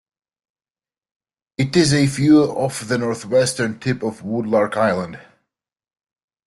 It is a few off the northwestern tip of Woodlark Island.